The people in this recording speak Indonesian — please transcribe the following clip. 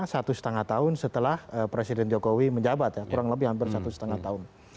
satu setengah tahun setelah presiden jokowi menjabat ya kurang lebih hampir satu setengah tahun